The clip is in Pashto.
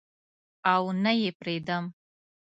او نه یې پریدم